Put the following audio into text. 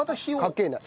かけない？